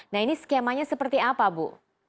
nah ini skemanya seperti apa bu